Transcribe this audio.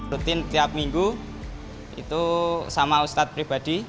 rutin tiap minggu itu sama ustadz pribadi